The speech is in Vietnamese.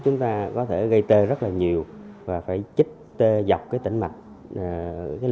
phương pháp trước chúng ta có thể gây tê rất là nhiều và phải chích tê dọc tỉnh mạch